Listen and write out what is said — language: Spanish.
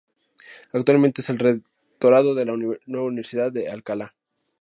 Actualmente es el rectorado de la nueva Universidad de Alcalá.